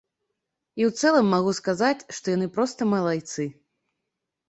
І ў цэлым магу сказаць, што яны проста малайцы.